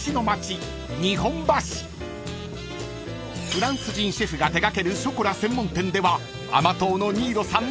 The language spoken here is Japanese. ［フランス人シェフが手掛けるショコラ専門店では甘党の新納さん